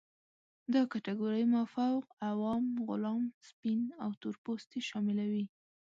دا کټګورۍ مافوق، عوام، غلام، سپین او تور پوستې شاملوي.